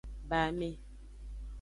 Ba ame.